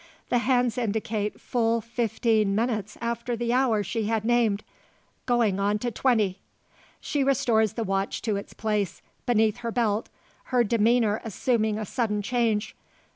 The hands indicate full fifteen minutes after the hour she had named going on to twenty. She restores the watch to its place, beneath her belt, her demeanour assuming a sudden change.